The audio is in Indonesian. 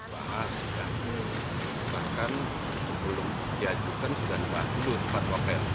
bahas bahkan sebelum diajukan sudah dibahas dulu pak wafres